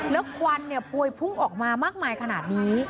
แล้วควันพวยพุ่งออกมามากมายขนาดนี้